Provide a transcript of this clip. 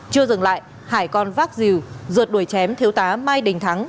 chưa dừng lại hải còn vác rìu ruột đuổi chém thiếu tá mai đình thắng